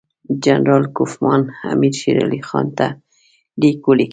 جنرال کوفمان امیر شېر علي خان ته لیک ولیکه.